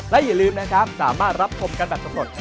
และอย่าลืมนะครับสามารถรับชมกันแบบสำรวจ